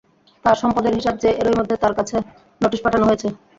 তাঁর সম্পদের হিসাব চেয়ে এরই মধ্যে তাঁর কাছে নোটিশ পাঠানো হয়েছে।